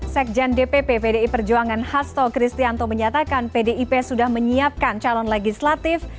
sekjen dpp pdi perjuangan hasto kristianto menyatakan pdip sudah menyiapkan calon legislatif